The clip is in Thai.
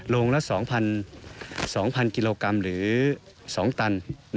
โรงละ๒๐๐กิโลกรัมหรือ๒ตัน